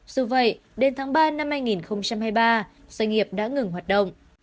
dù vậy đến tháng ba năm hai nghìn hai mươi ba doanh nghiệp đã ngừng hoạt động